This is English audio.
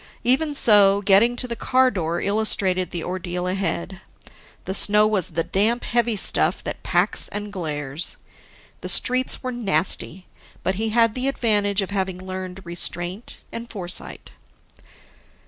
Even so, getting to the car door illustrated the ordeal ahead; the snow was the damp, heavy stuff that packs and glares. The streets were nasty, but he had the advantage of having learned restraint and foresight.